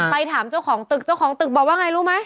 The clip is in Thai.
ไปถามเจ้าของตึกเจ้าของตึกบอกว่าไงรู้ไหม